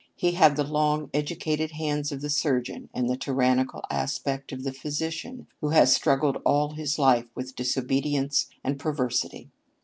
He had the long, educated hands of the surgeon and the tyrannical aspect of the physician who has struggled all his life with disobedience and perversity.